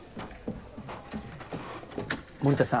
森田さん